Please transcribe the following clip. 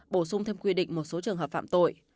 bổ sung thêm quy định một số trường hợp phạm tội